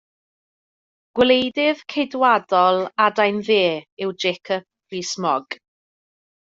Gwleidydd Ceidwadol adain dde yw Jacob Rees-Mogg.